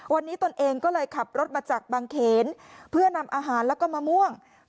วันนี้ตนเองก็เลยขับรถมาจากบางเขนเพื่อนำอาหารแล้วก็มะม่วง